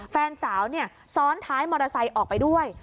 แฟนสาวซ้อนท้ายมอเตอร์ไซค์ออกไปด้วย